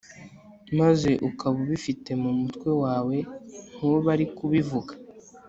maze ukaba ubifite mu mutwewawe ntube ariko ubivuga